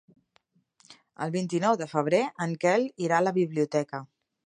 El vint-i-nou de febrer en Quel irà a la biblioteca.